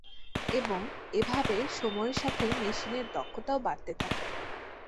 এবং এভাবে সময়ের সাথে মেশিনের দক্ষতাও বাড়তে থাকে।